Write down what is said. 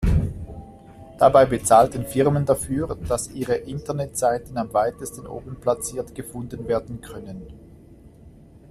Dabei bezahlten Firmen dafür, dass ihre Internetseiten am weitesten oben platziert gefunden werden können.